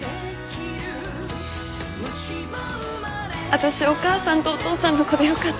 私お母さんとお父さんの子でよかった。